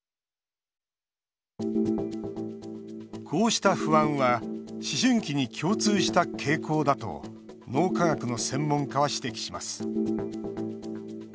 こうした不安は思春期に共通した傾向だと脳科学の専門家は指摘します。